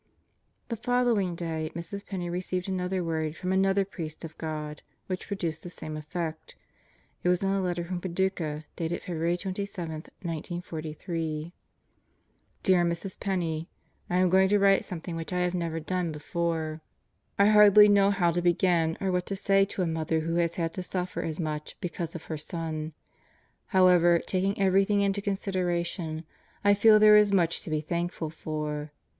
The following day Mrs. Penney received another word from another priest of God which produced the same effect. It was in a letter from Paducah, dated February 27, 1943: Dear Mrs. Penney: I am going to write something which I have never done before. I 206 Epilogue hardly know how to begin or what to say to a mother who has had to suffer so much because of her son. However, taking everything into consideration, I feel there is much to be thankful for.